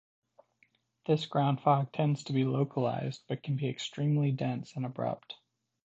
This ground fog tends to be localized but can be extremely dense and abrupt.